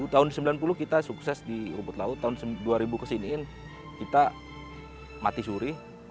tahun sembilan puluh kita sukses di rumput laut tahun dua ribu kesini kita mati suri